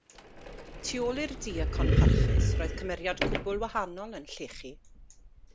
Tu ôl i'r diacon parchus roedd cymeriad cwbl wahanol yn llechu.